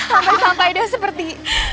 sampai sampai dia seperti